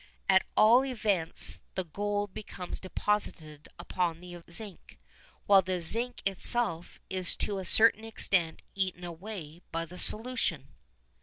At all events the gold becomes deposited upon the zinc, while the zinc itself is to a certain extent eaten away by the solution.